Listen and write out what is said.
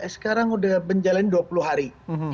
sekarang udah menjalani dua puluh hari